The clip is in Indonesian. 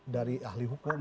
dari ahli hukum